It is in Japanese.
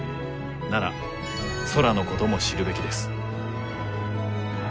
なら空のことも知るべきです。